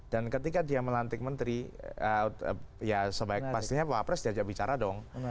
dan ketika dia melantik menteri ya sebaik pastinya wapres diajak bicara dong